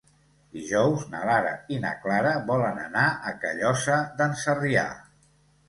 Dijous na Lara i na Clara volen anar a Callosa d'en Sarrià.